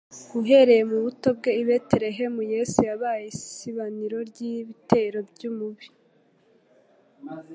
Uhereye mu buto bwe i Betelehemu, Yesu yabaye isibaniro ry'ibitero by'umubi.